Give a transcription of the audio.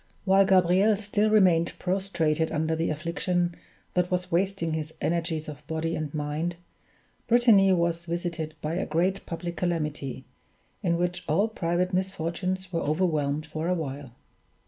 While Gabriel still remained prostrated under the affliction that was wasting his energies of body and mind, Brittany was visited by a great public calamity, in which all private misfortunes were overwhelmed for a while.